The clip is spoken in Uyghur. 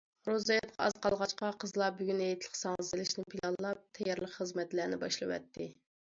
روزا ھېيتقا ئاز قالغاچقا قىزلار بۈگۈن ھېيتلىق ساڭزا سېلىشنى پىلانلاپ تەييارلىق خىزمەتلەرنى باشلىۋەتتى.